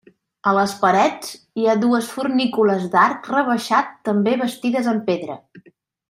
A les parets hi ha dues fornícules d'arc rebaixat també bastides amb pedra.